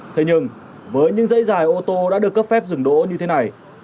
thế nhưng với những dãy dài ô tô đã được cấp phép dừng đỗ như thế này